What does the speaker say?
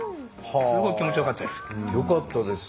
すごい気持ちよかったです。